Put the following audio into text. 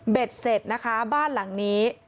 เสร็จนะคะบ้านหลังนี้